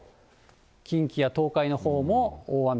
近畿や東海のほうも大雨。